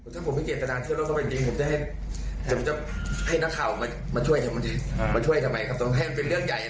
ทำอย่างนั้นเพื่ออะไร